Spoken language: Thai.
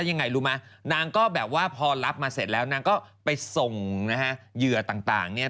ยังไงรู้ไหมนางก็แบบว่าพอรับมาเสร็จแล้วนางก็ไปส่งนะฮะเหยื่อต่างเนี่ย